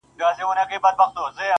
په گيلاس او په ساغر دي اموخته کړم,